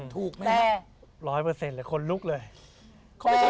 ถูกมั้ยครับแปรร้อยเปอร์เซ็นต์เลยคนลุกเลย